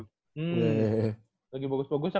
hmm lagi bagus bagusnya